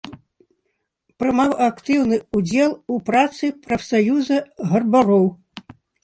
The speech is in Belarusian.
Прымаў актыўны ўдзел у працы прафсаюза гарбароў.